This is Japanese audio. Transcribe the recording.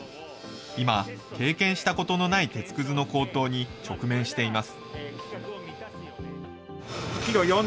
今、経験したことのない鉄くずの高騰に直面しています。